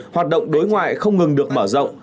hoạt động đối ngoại không ngừng được mở rộng